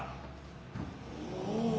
おお。